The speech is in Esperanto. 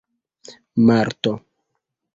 marto